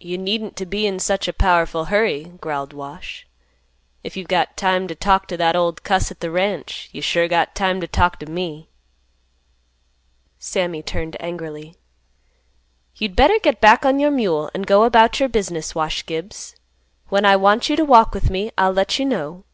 "You needn't t' be in such a powerful hurry," growled Wash. "If you've got time t' talk t' that old cuss at th' ranch, you sure got time t' talk t' me." Sammy turned angrily. "You'd better get back on your mule, and go about your business, Wash Gibbs. When I want you to walk with me, I'll let you know."